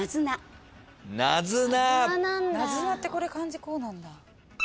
「なずな」ってこれ漢字こうなんだ。